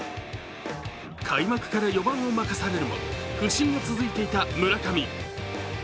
開幕から４番を任されるも不振が続いていた村上。